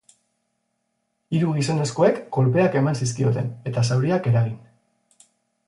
Hiru gizonezkoek kolpeak eman zizkioten, eta zauriak eragin.